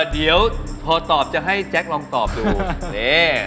เดี๋ยวพอตอบจะให้แจ๊คลองตอบดูนี่